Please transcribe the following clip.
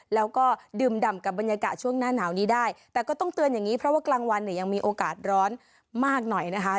แล้วก็ดื่มดำกับบรรยากาศช่วงหน้าหนาวนี้ได้แต่ก็ต้องเตือนอย่างนี้เพราะว่ากลางวันเนี่ยยังมีโอกาสร้อนมากหน่อยนะคะ